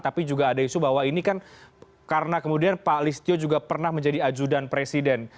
ada isu bahwa ini kan karena kemudian pak listio juga pernah menjadi adjudan presiden